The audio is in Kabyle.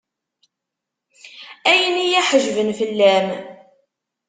Ayen i yi-ḥejben fell-am.